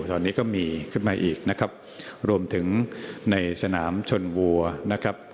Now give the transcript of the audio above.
ตอนนี้ก็มีขึ้นมาอีกนะครับรวมถึงในสนามชนวัวนะครับ